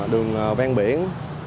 đường ven biển